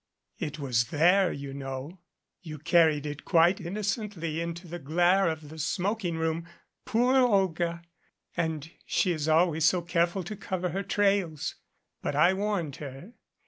"It was there, you know. You carried it quite inno cently into the glare of the smoking room. Poor Olga! And she is always so careful to cover her trails ! But I warned her.